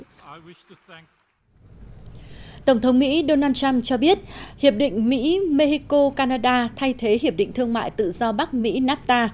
tổng thống mỹ donald trump cho biết hiệp định mỹ mexico canada thay thế hiệp định thương mại tự do bắc mỹ nafta